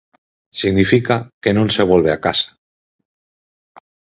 Significa que non se volve á casa.